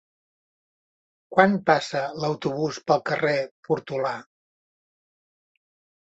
Quan passa l'autobús pel carrer Portolà?